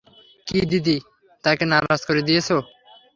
কী দিদি, তাকে নারাজ করে দিয়েছো।